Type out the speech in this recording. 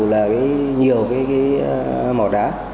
là nhiều mỏ đá